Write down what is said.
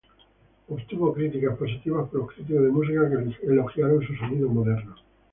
Obtuvo críticas positivas por los críticos de música, que elogiaron su sonido moderno.